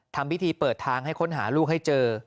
ทำพิธีเปิดทางให้ค้นหาลูกให้เจอ